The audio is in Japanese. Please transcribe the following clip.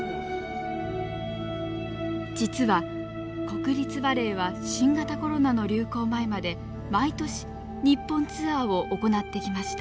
実は国立バレエは新型コロナの流行前まで毎年日本ツアーを行ってきました。